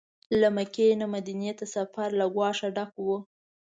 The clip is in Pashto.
له مکې نه مدینې ته سفر له ګواښه ډک و.